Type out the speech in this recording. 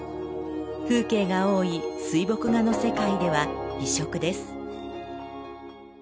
風景が多い水墨画の世界では異色です。